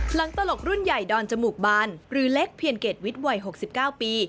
ตลกรุ่นใหญ่ดอนจมูกบานหรือเล็กเพียรเกรดวิทย์วัย๖๙ปี